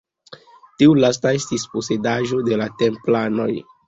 Tiu lasta estis posedaĵo de la Templanoj.